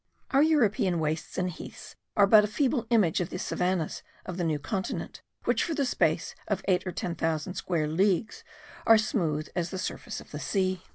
Our European wastes and heaths are but a feeble image of the savannahs of the New Continent which for the space of eight or ten thousand square leagues are smooth as the surface of the sea.